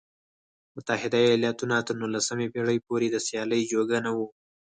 متحده ایالتونه تر نولسمې پېړۍ پورې د سیالۍ جوګه نه و.